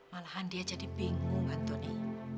malahan dia jadi bingung anthony